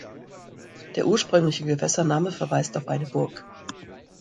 Der ursprüngliche Gewässername verweist auf eine Burg.